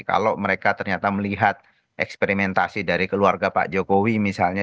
kalau mereka ternyata melihat eksperimentasi dari keluarga pak jokowi misalnya